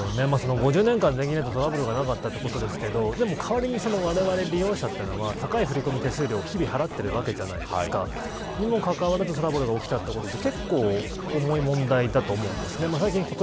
５０年間トラブルがなかったということですけど代わりに、われわれ利用者というのは高い振り込み手数料を日々払っているわけじゃないですかにもかかわらずトラブルが起きたというのは結構、重い問題だと思います。